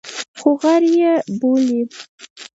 خو غر یې بولي.